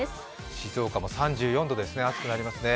静岡も３４度ですね、暑くなりますね。